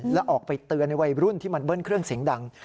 แล้วออกไปเตือนในวัยรุ่นที่มันเบิ้ลเครื่องเสียงดัง